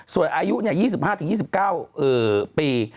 ส่วนอายุ๒๕๒๙ปี